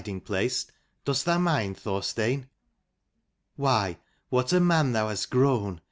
Into the ' dost thou mind, Thorstein ? Why, what a man thou hast grown